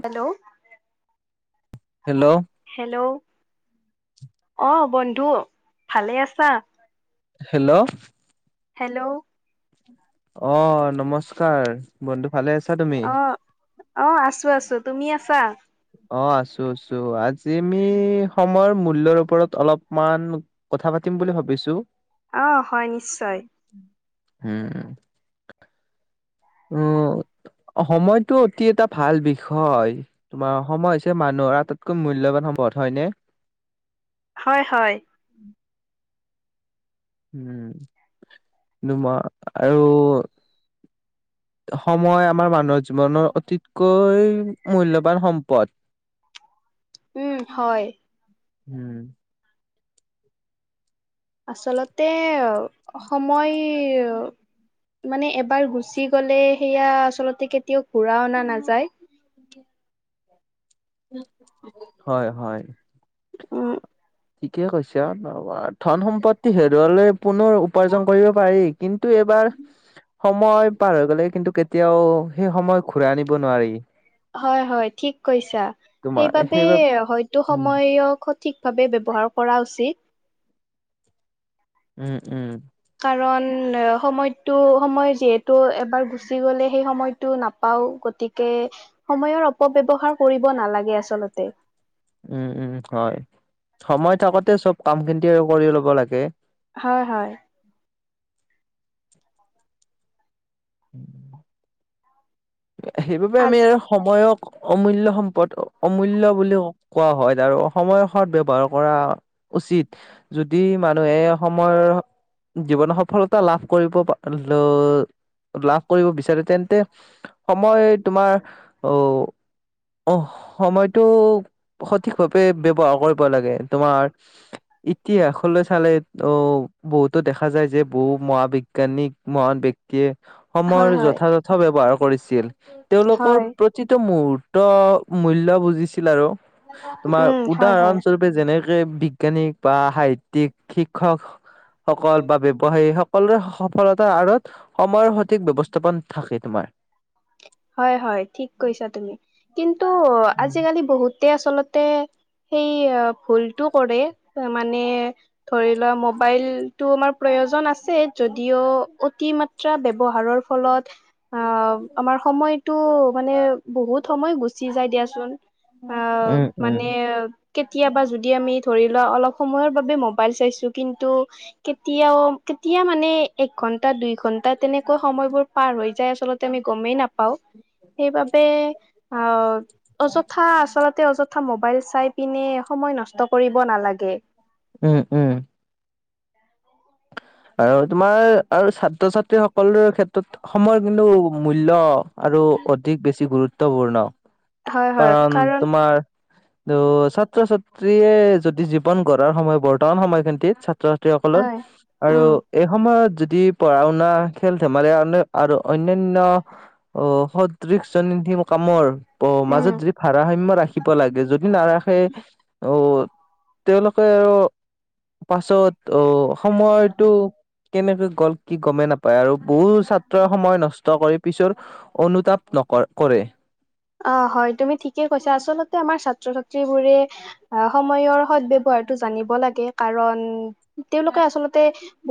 Hello hello hello অ', বন্ধু ভালে আছা? হেল্ল' হেল্ল' অ', নমস্কাৰ বন্ধু। ভালে আছা তুমি? অ অ', আছো আছো তুমি আছা। অ', আছো আছো আজি আমি সময়ৰ মূল্যৰ ওপৰত অলপমান কথা পাতিম বুলি ভাবিছো। অ', হয় নিশ্চয়। হম। অ', সময়টো অতি এটা ভাল বিষয় তোমাৰ সময় হৈছে মানুহৰ আটতকৈ মূল্যৱান সম্পদ হয়নে। হয় হয়। উম দুম আৰু সময় আমাৰ মানু্হৰ জীৱনৰ অতিত কৈ মূল্যৱান সম্পদ। উম হয়। উম। আচলতে সময় মানে এবাৰ গুচি গলে সেয়া আচলতে কেতিয়াও ঘূৰা অনা নাযায়। হয় হয়। উম। ঠিকে কৈছা ধন সম্পত্তি হেৰুৱালে পুনৰ উপাৰ্জন কৰিব পাৰি কিন্তু টো এবাৰ সময় পাৰ হৈ গ'লে কিন্তু কেতিয়াও সেই সময় ঘূৰাই আনিব নোৱাৰি। হয় হয় ঠিক কৈছা সেইবাবে হয়তো উম সময়ক ঠিক ভাৱে ব্যৱহাৰ কৰা উচিত। উম উম। কাৰণ সময়টো সময় যিহেতু এবাৰ গুচি গ'লে সেই সময়টো নাপাও গতিকে সময়ৰ অপব্যৱহাৰ কৰিব নালাগে আচলতে। উম, উম, হয় সময় থাকোতে চব কাম খিনতি আৰু কৰি ল'ব লাগে। হয়, হয়। উম। সেইবাবে আমি আজ আৰু সময়ক অমূল্য সম্পদ অমূল্য বুলিও কওঁ। কোৱা হয় আৰু সময়ৰ সদ ব্যৱহাৰ কৰা উচিত, যদি মানুহে সময়ৰ জীৱনত সফলতা লাভ কৰিব ল' লাভ কৰিব বিচাৰে তেন্তে সময় তোমাৰ অ' অহ। সময়টো সঠিকভাৱে ব্যৱহাৰ কৰিব লাগে। তোমাৰ ইতিহাসলৈ চালে ত' বহুতো দেখা যায় যে, বহু মহাবিজ্ঞানিক মহান ব্যক্তিয়ে হয় সময়ৰ হয় যথাযথ ব্যৱহাৰ কৰিছ ছিল। তেওঁলোকৰ হয় প্ৰতিটো মুহূৰ্ত মূল্য বুজি আছিল আৰু তোমাৰ উম হয় হয়। উদাহৰণস্বৰূপে যেনে বিজ্ঞানিক বা সাহিত্যিক, শিক্ষক সকল বা ব্যৱসায়ী সক সকলোৰে স সফলতা আঁৰত সময়ৰ সঠিক ব্যৱস্থাপন থাকে, তোমাৰ হয়, হয় ঠিক কৈছা তুমি, কিন্তু আজিকালি বহুতে আচলত তে, সেই ভুলটো কৰে মানে, ধৰি লোৱা মোবাইলটো আমাৰ প্ৰয়োজন আছে, যদিও অতি মাত্ৰা ব্যৱহাৰৰ ফলত আহ আমাৰ [unintelligible] সময়টো মানে, বহুত সময় গুচি যায় দিয়াচোন। অ', উম উম মানে কেতিয়াবা যদি আমি ধৰি লোৱা, অলপ সময়ৰ বাবে মবাইল চাইছোঁ, কিন্তু কেতিয়াও, কে তিয়া মানে এক ঘণ্টা, দুই ঘণ্টা তেনেকৈ সময়বোৰ পাৰ হৈ যায়, আচলতে আমি গমেই নাপা পাওঁ, সেইবাবে আ, অযথা আচলত তে, অযথা মোবাইল চাই পিনে সময় নষ্ট কৰিব নালাগে। উম, উম, আৰু তোমাৰ আৰু ছাত্ৰ-ছাত্ৰীসকলৰ ক্ষেত্ৰ ত সময় কিন্তু মূল্য আৰু অধিক বেছি গুৰুত্বপূৰ্ণ। হয় হয় কাৰণ তোমাৰ [unintelligible] ছাত্ৰ-ছাত্ৰী ছাত্ৰীয়ে যদি জীৱন গঢ়াৰ সময় বৰ্তমান সময় খিনিত ছা ছাত্ৰ-ছাত্ৰীসকলৰ হয় আৰু উম এই সমুহ যদি পঢ়া শুনা, খেল ধেমালি অন্য আৰু অন্যান্য সদৃশ শ্ৰেণীৰ কামৰ অ' উম মাজত যদি ভাৰাসাম্য ৰাখিব লাগে যদি নাৰাখে অ' তেওঁলোকে আৰু পাছত ত' সময়ত টো কেনেকৈ গ'ল কি গমে নাপা পায় আৰু বহু ছাত্ৰই সময় নষ্ট কৰি পিছৰ অনুতাপ নক কৰে। অ' হয় তুমি ঠিক কৈছা। আচলতে আমাৰ ছাত্ৰ ছাত্ৰীবোৰে সময়ৰ সদ ব্যৱহাৰটো জানিব লাগে কাৰণ তেওঁলোকে আচলতে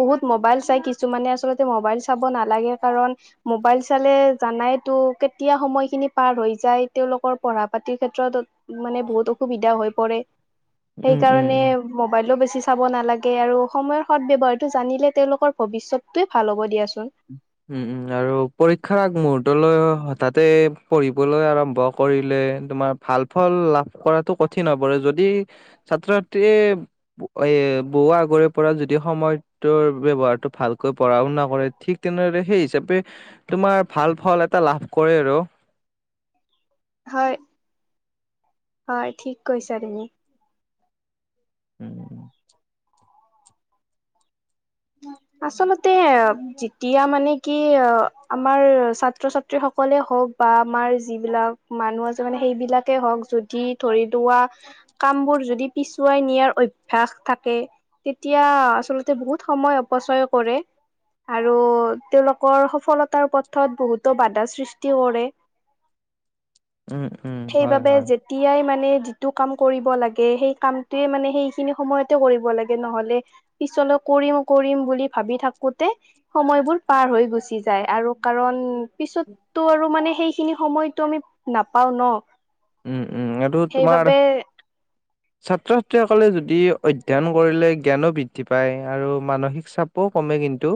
বহুত মোবাইল চাই কিছুমানে আচলতে। মোবাইল চাব নালাগে কাৰণ মোবাইল চালে জানাই তো কেতিয়া সময়খিনি পাৰ হৈ যায় তেওঁলোকৰ পঢ়া পাতিৰ ক্ষেত্ৰত মানে বহুত অসুবিধা হৈ পৰে। উম উম সেইকাৰণে উম মোবাইলো বেছি বেচি চাব নালাগে আৰু সময়ৰ সদ ব্যৱহাৰটো জানিলে তেওঁলোকৰ ভৱিষ্যতটোৱে ভাল হ'ব দিয়াচোন। উম আৰু পৰীক্ষাৰ আগ মুহুৰ্তলৈ হঠাতে পঢ়িবলৈ আৰম্ভ কৰিলে তোমাৰ ভাল ফল লাভ কৰাতটো কঠিন হৈ পৰে যদি ছাত্ৰ ছাত্ৰীয়ে এ বহু আগৰে পৰা যদি সময়টোৰ ব্যৱহাৰটো ভালকৈ পঢ়াও নকৰে ঠিক দিনৰে সেই হিচাপে তোমাৰ ভাল ফল এটা লাভ কৰে আৰু। হয় হয় ঠিক কৈছা তুমি। উম। আচলতে যেতিয়া মানে কি আমাৰ ছাত্ৰ ছাত্ৰী সকলে হওক বা আমাৰ যিবিলাক মানুহ আছে মানে সেইবিলাকে হওক যদি ধৰি লোৱা কাম বোৰ যদি পিছুৱাই নিয়াৰ অভ্যাস থাকে তেতিয়া আচলতে বহুত সময় অপচয় কৰে আৰু তেওঁলোকৰ সফলতাৰ পথত বহুতো বাধা সৃষ্টি কৰে। উম উম হয় সেইবাবে হয়। যেতিয়াই মানে যিটো কাম কৰিব লাগে সেই কামটোয়ে মানে সেইখিনি সময়তে কৰিব লাগে নহলে পিছলৈ কৰিম কৰিম বুলি ভাবি থাকো তে সময়বোৰ পাৰ হৈ গৈছে। পি যায় আৰু কাৰণ পিছত তো আৰু মানে সেই খিনি সময়ত আমি নাপাওঁ ন। উম উম এইটোত তোমাৰ সেইবাবে ছাত্ৰ-ছাত্ৰীসকলে যদি অধ্যয়ন কৰিলে জ্ঞানো বৃদ্ধি পায় আৰু মানসিক চাপো কমে। কিন্তু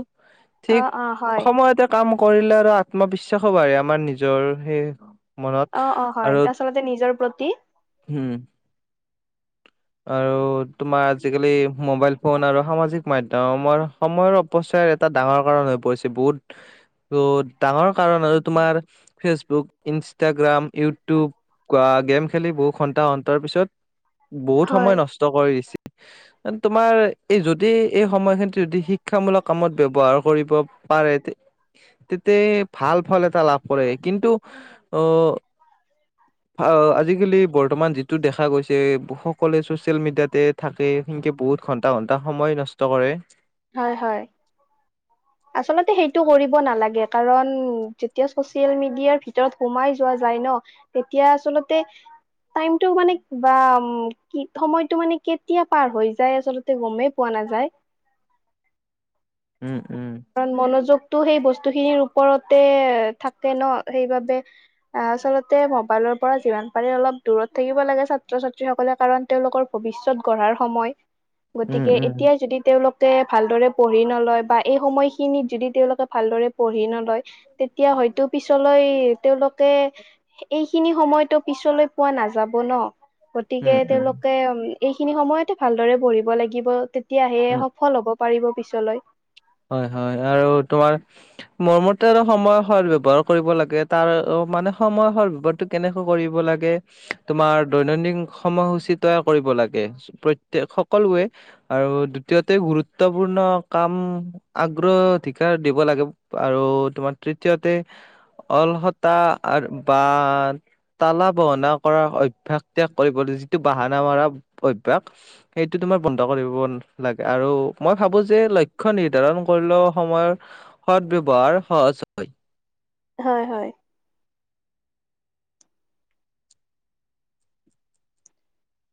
অ ঠিক অ হয় সময়তে কাম কৰিলে আৰু আত্মবিশ্বাসো বাঢ়ে আমাৰ নিজৰ সে মনত আৰুত যে নিজৰ প্ৰতি হম। আৰু তোমাৰ আজিকালি মোবাইল ফোন আৰু সামাজিক মাধ্যম সময়ৰ অপচয় এটা ডাঙৰ কাৰণ হৈ পৰিছে বহুত ৰোত ডাঙৰ কাৰণ আৰু তোমাৰ ফেচ বুক, ইনষ্টাগ্ৰাম, ইউটিউব বা গেম খেলি বহু ঘন্টা অন্তৰ পিছত হয় সময় নষ্ট কৰিছি তোমাৰ এই যদি এই সময়খিন যদি শিক্ষামূলক কামত ব্যৱহাৰ কৰিব পাৰে তেতে ভাল ফল এটা লাভ কৰে কিন্তু আহ অ আজিকালি বৰ্তমান যি টো দেখা গৈছে সকলোৱে ছচিয়েল মিডিয়াতে থাক সনকে বহুত ঘন্টা ঘন্টা সময় নষ্ট কৰে। হয় হয় আচলতে সেইটো কৰিব নেলাগে কাৰণ যেতিয়া চচিয়াল মেডিয়া ভিতৰত সোমাই যোৱা যাই ন তেতিয়া আচলতে টাইমটো মানে বা সময় টো মানে কেতিয়া পাৰ হৈ যায় আচলতে গমেই পোৱা নাযায়। উম উম তো সেই বস্তুখিনিৰ ওপৰতে থাকে ন সেইবাবে আচলতে মবাইলৰ পৰা যিমান পাৰে অলপ দূৰত থাকিব লাগে ছাত্ৰ ছাত্ৰীসকলে কাৰণ তেওঁলোকৰ ভৱিষ্যত গঢ়াৰ সময়। উম গতিকে উম এতিয়া যদি তেওঁলোক ভালদৰে পঢ়ি নলয় বা এই সময়খিনিত যদি তেওঁলোকে ভালদৰে পঢ়ি নলয় তেতিয়া হয়তো পিছলৈ তেওঁলোকে এইখিনি সময়তো পিছলৈ পোৱা নাযাব ন। গতিকে উম উম তেওঁলোকে উ এইখিনি সময়তে ভালদৰে পঢ়িব লাগিব তেতিয়াহে উম সফল হ'ব। পাৰিব পিছলৈ। হয়, হয় আৰু তোমাৰ মোৰ মতে আৰু সময় সদ ব্যৱহাৰ কৰিব লাগে তাৰ মানে সময় সদ ব্যৱহাৰটো কেনেকে কৰিব লাগে, তোমাৰ দৈনন্দিন সময়সূচী তৈয়াৰ কৰিব লাগে, প্ৰত্যেক সকলোৱে আৰু দ্বিতীয়তে গুৰুত্বপূৰ্ণ কাম আগ্ৰধিকাৰ দিব লাগে আৰু তোমাৰ তৃতীয়তে অলহতা বা তালা বহনা কৰা অভ্যাস ত্যাগ কৰিব যিটো বাহানা মাৰা অভ্যাস সেইটো তোমাৰ বন্ধ কৰিব লাগে আৰু মই ভাবো যে লক্ষণ [unintelligible] কৰিলেও সময়ৰ সদ ব্যৱহাৰ সহজ হয়। হয়, হয়।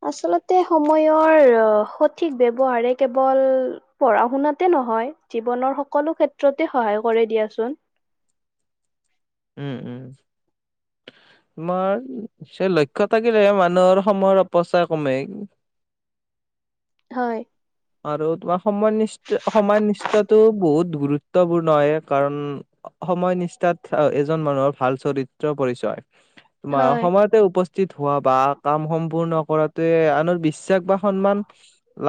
আচলতে সময়ৰ সঠিক ব্যৱহাৰে কেৱল পঢ়া- শুনাতে নহয়, জীৱনৰ সকলো ক্ষেত্ৰতে সহায় কৰে দিয়াচোন। উম, উম, তোমাৰ সেই লক্ষ্য থাকিলে মানুহৰ সময়ৰ অপচয় কমে। হয় আৰু তোমাৰ সময় অনিষ্ঠ, সময় অনিষ্ঠটো বহুত গুৰুত্বপূৰ্ণ হয়। কাৰণ, সময় নিষ্ঠাত এজন মানুহৰ ভাল চৰিত্ৰ পৰিচয়। তোমাৰ হয়। অসমতে উপস্থিত হোৱা বা কাম সম্পূৰ্ণ কৰাটোৱে আনৰ বিশ্বাস বিশ্বাস বা সন্মান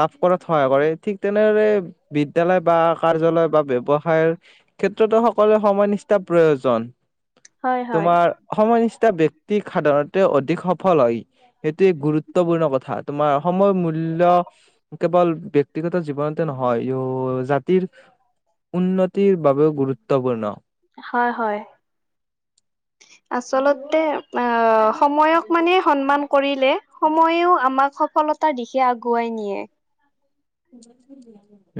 লাভ কৰাত সহায় কৰে। ঠিক তেনেদৰে, বিদ্যয়ালয় বা কাৰ্যালয় বা ব্যৱসায়ৰ ক্ষেত্ৰতো সকলোৱে সময় নিষ্ঠা প্ৰয়োজন। হয় হয় তোমাৰ সময় নিষ্ঠা ব্যক্তি সাধাৰণতে অধিক সফল হয়। সেইটোৱ এক গুৰুত্বপূৰ্ণ কথা। তোমাৰ সময় মূল্য কেৱল, ব্যক্তিগত জীৱনতে নহয়। ইয়ো জাতিৰ উন্নতিৰ বাবেও গুৰুত্বপূৰ্ণ। হয়, হয়। আচলতে অঁ! সময়ক মানে সন্মান কৰিলে। সময়ো আমাক স সফলতাৰ দিশে আগুৱাই নিয়ে। [unintelligible]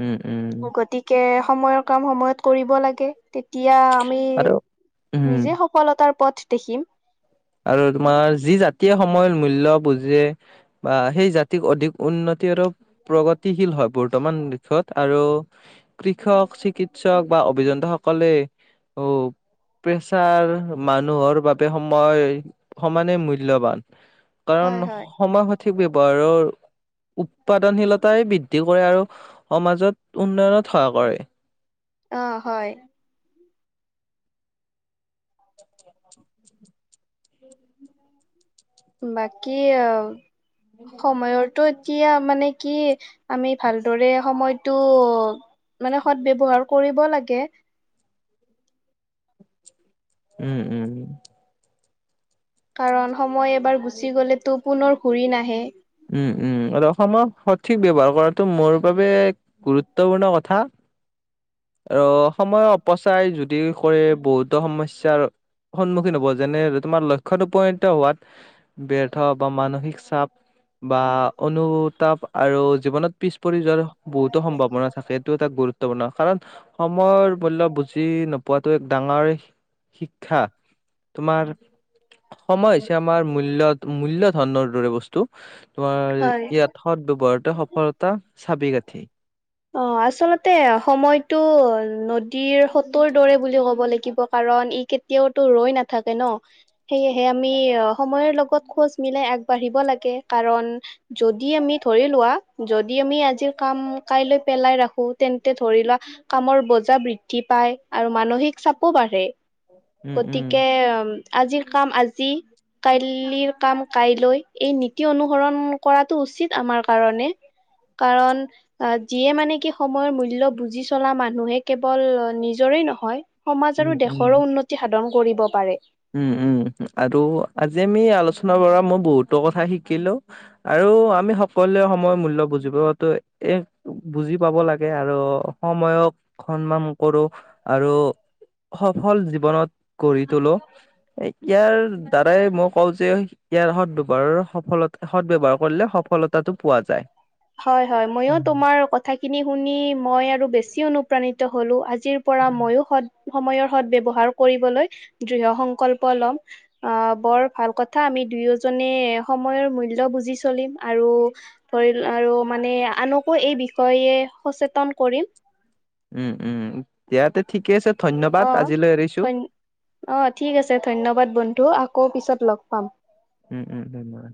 গতিকে, সময়ৰ কাম সময়ত কৰিব লাগে। তেতিয়া আমি, আৰু উম নিজে সফলতাৰ পথ দেখিম। আৰু তোমাৰ যি জাতিয়ে সময়ৰ মূল্য বুজে বা সেই জাতিক অধিক উন্নতি আৰু প্ৰগতিশীল হয় বৰ্তমান দিশত আৰু কৃষক চিকিৎসক বা অভিযন্ত সকলে প্ৰেছাৰ মানুহৰ বাবে সময় সমানে মূল্যবান। কাৰণ, হয় হয়। সময় সঠিক ব্যৱহাৰৰ উৎপাদনশীলতাই বৃদ্ধি বৃদ্ধি কৰে আৰু সমাজত উন্নয়নত সহায় কৰে। অ'! হয়। বাকী অ'! সময়ৰটো কেতিয়া মানে, কি? আমি ভালদৰে সময়টো মানে, সৎ ব্যৱহাৰ কৰিব লাগে। উম! উম! উম! কাৰণ, সময় এবাৰ গুচি গ'লেতো, পুনৰ ঘূৰি নাহে। উম, উম আৰু সময় সঠিক ব্যৱহাৰ কৰাটো মোৰ বাবে গুৰুত্বপূৰ্ণ কথা আৰু সময় অপচাই যদি কৰে বহুতো সমস্যাৰ সন্মুখীন হ'ব যেনে, তোমাৰ লক্ষ্যত উপনীত হোৱাত ব্যৰ্থ বা মানসিক চাপ বা অনুতাপ আৰু জীৱনত পিছ পৰি যোৱাৰ বহুতো সম্ভাৱনা থাকে এইটো এটা গুৰুত্বপূৰ্ণ কাৰণ সময় মূল্য বুজি নপ পোৱাতো এক ডাঙৰ শিক্ষা তোমাৰ সময় হৈছে আমাৰ মূল্য মূল্যধনৰ দৰে বস্তু [unintelligible] হয়। ইয়াত সৎবেৱহাৰতে সফলতা চাবি কাথি। অ, আচলতে সময়টো নদীৰ সোতৰ দৰে বুলি ক'ব লাগিব। কাৰণ ই কেতিয়াওতো ৰৈ নাথাকে ন। সেয়েহে আমি অ, সময়ৰ লগত খোজ মিলাই আগবাঢ়িব লাগে। কাৰণ যদি আমি, ধৰি লোৱা যদি আমি আজিৰ কাম কাইলৈ পেলাই ৰাখো, তেন্তে ধৰি লোৱা কামৰ বজা বৃদ্ধি পায়। আৰু মানসিক চাপ খু বাৰে উম উম গতিকে এ অম আজিৰ কাম আজি। কাইল্লিৰ কাম কাইলৈ, এই নীতি অনুসৰণ কৰাটো উচিত আমাৰ কাৰণে। কাৰণ অ, যিয়ে মানে কি সময়ৰ মূল্য বুজি চলা মানুহে, কেৱল অ, নিজৰেই নহয় সমাজ উম আৰু উম দেশৰো উন্নতি সাধন কৰিব পাৰে। উম, উম আৰু আজি আমি আলোচনা কৰা মই বহুতো কথা শিকিলো, আৰু আমি সকলোৱে সময়ৰ মূল্য বুজি পোৱাতো এ, বুজি পাব লাগে আৰু সময়ক সন্মান কৰো আৰু সফল জীৱনত গঢ়ি তোলো। এ ইয়াৰ দ্বাৰাই মই কওঁ যে ইয়াৰ সৎ ব্যৱহাৰৰ সফলতা সদ ব্যৱহাৰ কৰিলে সফলতাটো পোৱা যায়। হয়, হয়, ময়ো তোমাৰ কথাখিনি শুনি মই আৰু বেছি অনুপ্ৰাণি ত হ'লো আজ জিৰ পৰা মইও সৎ সময়ৰ সৎব্যৱহাৰ কৰিবলৈ, দৃঢ় সংকল্প ল'ম, অ', বৰ ভাল কথা আমি দুয়োজনে সময়ৰ মূল্য বুজি চলিম আৰু ধৰি অ', আৰু মানে, আনকো এই বিষয়ে সচেতন কৰিম। উম, উম, দিয়াতে ঠিকেই আছে ধন্যবাদ অ', আজিলৈ এৰিছোঁ। ধইন অ', ঠিক আছে ধন্যবাদ বন ধু আকৌ পিছত লগ পাম। উম, উম, ধন্যবাদ।